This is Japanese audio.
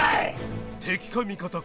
敵か味方か